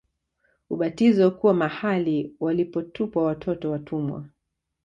Ubatizo kuwa mahali walipotupwa watoto watumwa